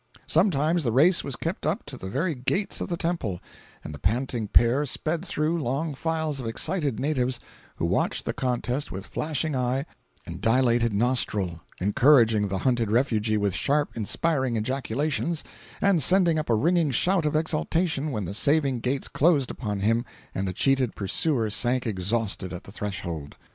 Sometimes the race was kept up to the very gates of the temple, and the panting pair sped through long files of excited natives, who watched the contest with flashing eye and dilated nostril, encouraging the hunted refugee with sharp, inspiriting ejaculations, and sending up a ringing shout of exultation when the saving gates closed upon him and the cheated pursuer sank exhausted at the threshold.